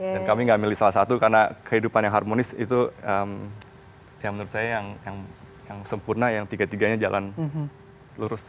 dan kami gak milih salah satu karena kehidupan yang harmonis itu yang menurut saya yang sempurna yang tiga tiganya jalan lurus